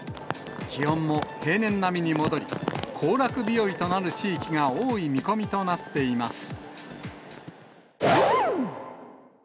気温も平年並みに戻り、行楽日和となる地域が多い見込みとなっています。